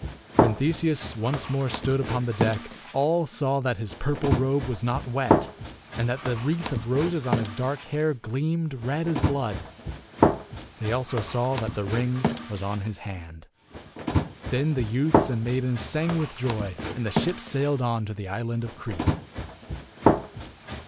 When Theseus once more stood upon the deck, all saw that his purple robe was not wet, and that the wreath of roses on his dark hair gleamed red as blood. They also saw that the ring was on his hand. Then the youths and maidens sang with joy, and the ship sailed on to the island of Crete.